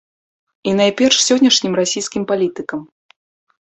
І найперш сённяшнім расійскім палітыкам.